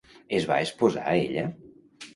Es va esposar ella?